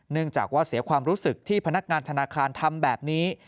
จากว่าเสียความรู้สึกที่พนักงานธนาคารทำแบบนี้